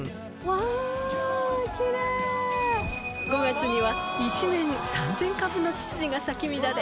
５月には一面３０００株のつつじが咲き乱れ